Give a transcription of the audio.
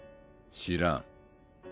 知らん。